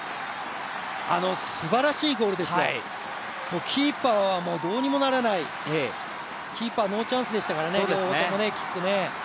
すばらしいゴールでした、キーパーはもうどうにもならない、キーパー、ノーチャンスでしたからね、両方ともキックね。